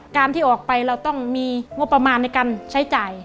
การที่ออกไปเราต้องมีงบประมาณในการใช้จ่าย